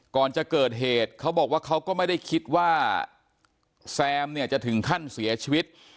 ก่อนจะเกิดเหตุเขาบอกว่าเขาก็ไม่ได้คิดว่าแซมเนี่ยจะถึงขั้นเสียชีวิต